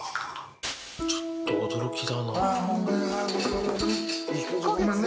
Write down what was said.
ちょっと驚きだな。